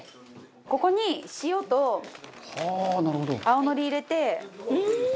ここに塩と青のり入れて。